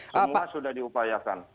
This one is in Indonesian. semua sudah diupayakan